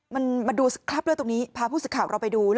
มันมาดูครับตรงนี้พาผู้ศึกข่าวนี้เราไปดู